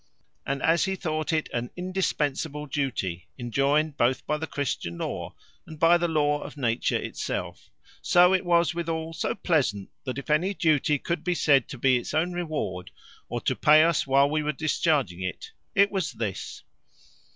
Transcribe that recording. And as he thought it an indispensable duty, enjoined both by the Christian law, and by the law of nature itself; so was it withal so pleasant, that if any duty could be said to be its own reward, or to pay us while we are discharging it, it was this.